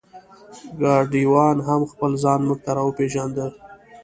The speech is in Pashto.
ګاډیوان هم خپل ځان مونږ ته را وپېژنده.